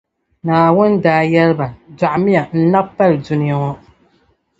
"Naawuni daa yɛli ba, “Dɔɣimiya n-nab’ pali dunia ŋɔ."